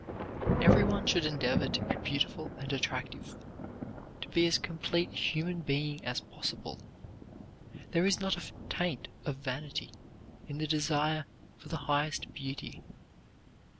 Everyone should endeavor to be beautiful and attractive; to be as complete a human being as possible. There is not a taint of vanity in the desire for the highest beauty.